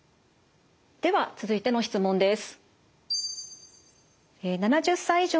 では続いての質問です。